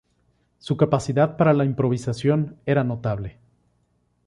Su capacidad para la improvisación era notable.